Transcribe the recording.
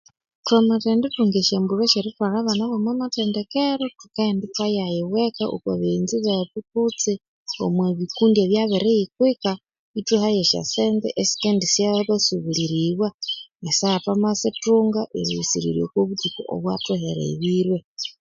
Thwa mathendithunga esya Mbulhu esyerithwalha abana bo mwamathendekero thukaghenda ithwa yayibweka okwa baghenzi bethu kutse omwa bikundi ebya biriyikwika ithwiha ye sya sente esikendi syabasubirilibwa esaha thwa masithunga erilhusirirya okwa buthuku obwathuherebirwe